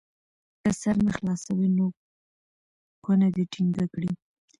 که سر نه خلاصوي نو کونه دې ټینګه کړي.